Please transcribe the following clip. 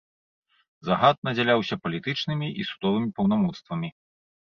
Загад надзяляўся палітычнымі і судовымі паўнамоцтвамі.